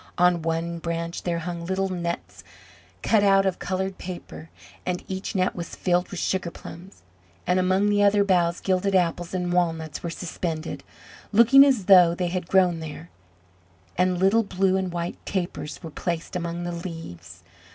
On one branch there hung little nets cut out of coloured paper, and each net was filled with sugar plums; and among the other boughs gilded apples and walnuts were suspended, looking as though they had grown there, and little blue and white tapers were placed among the leaves.